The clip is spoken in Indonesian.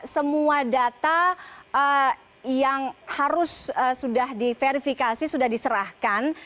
semua data yang harus sudah diverifikasi sudah diserahkan